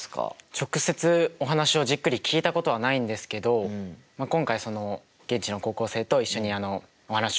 直接お話をじっくり聞いたことはないんですけど今回現地の高校生と一緒にお話を聞きに行かしていただきました。